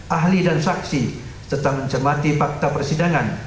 ahli dan saksi tetap mencermati fakta persidangan